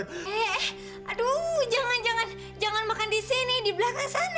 he aduh jangan jangan makan di sini di belakang sana